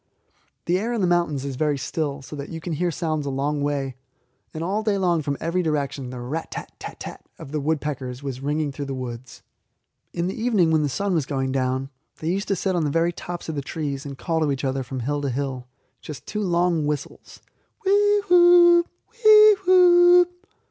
The air in the mountains is very still, so that you can hear sounds a long way, and all day long from every direction the 'rat tat tat tat!' of the woodpeckers was ringing through the woods. In the evening when the sun was going down, they used to sit on the very tops of the trees, and call to each other from hill to hill just two long whistles, 'whee whoo, whee whoo.'